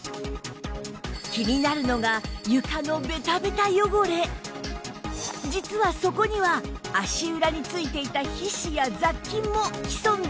気になるのが床の実はそこには足裏についていた皮脂や雑菌も潜んでいるんです